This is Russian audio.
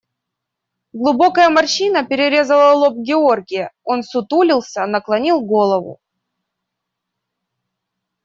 Глубокая морщина перерезала лоб Георгия, он ссутулился, наклонил голову.